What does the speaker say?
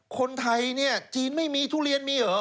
คนไทยเนี่ยจีนไม่มีทุเรียนมีเหรอ